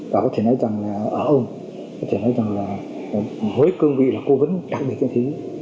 và có thể nói rằng là ở ông có thể nói rằng là hối cương vị là cố vấn đặc biệt trên thứ